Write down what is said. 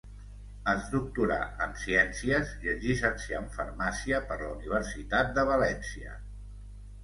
Es doctorà en ciències i es llicencià en farmàcia per la Universitat de València.